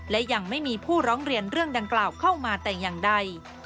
และยังไม่มีผู้ร้องเรียนเรื่องดังกล่าวเข้ามาแต่อย่างใด